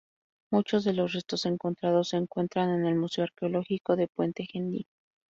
Muchos de los restos encontrados se encuentran en el Museo Arqueológico de Puente Genil.